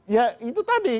ya itu tadi